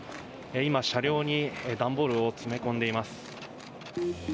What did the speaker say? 今、車両に段ボールを詰め込んでいます。